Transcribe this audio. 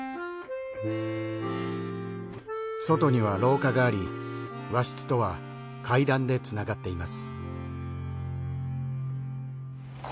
外には廊下があり和室とは階段でつながっています。